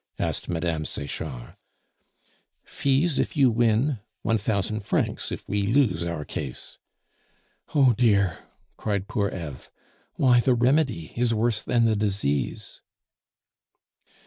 asked Mme. Sechard. "Fees if you win, one thousand francs if we lose our case." "Oh, dear!" cried poor Eve; "why, the remedy is worse than the disease!"